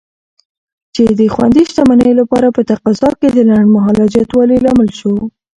چې د خوندي شتمنیو لپاره په تقاضا کې د لنډمهاله زیاتوالي لامل شو.